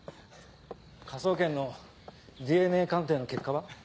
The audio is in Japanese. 科捜研のＤＮＡ鑑定の結果は？